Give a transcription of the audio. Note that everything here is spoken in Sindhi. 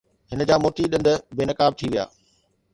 هن جا موتي ڏند بي نقاب ٿي ويا.